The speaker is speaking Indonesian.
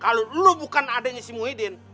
kalau lo bukan adanya si muhyiddin